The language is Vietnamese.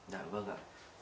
dạ vâng ạ